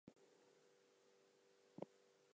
The feud ended just as quickly.